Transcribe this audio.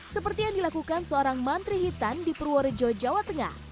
seperti yang dilakukan seorang mantri hitam di purworejo jawa tengah